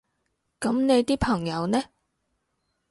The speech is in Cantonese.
噉你啲朋友呢？